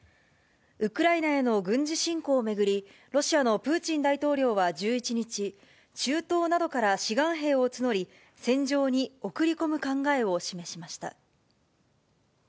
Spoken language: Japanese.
ウクライナへの軍事侵攻を巡り、ロシアのプーチン大統領は１１日、中東などから志願兵を募り、戦場に送り込む考えを示しました。